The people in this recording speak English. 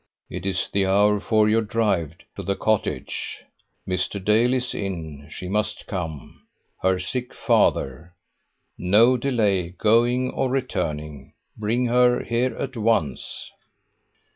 "It is the hour for your drive. To the cottage! Mr. Dale is in. She must come. Her sick father! No delay, going or returning. Bring her here at once."